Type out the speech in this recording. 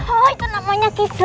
oh itu namanya gigi bu